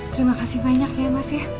terima kasih banyak ya mas ya